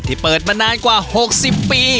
เปิดมานานกว่า๖๐ปี